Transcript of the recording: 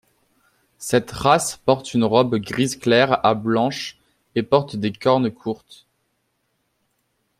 Cette race porte une robe grise clair à blanche et porte des cornes courtes.